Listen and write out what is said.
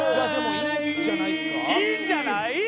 いいんじゃない！？